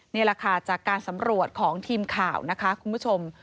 นี่แหละค่ะจากการสำรวจของทีมข่าวนะคะคุณผู้ชม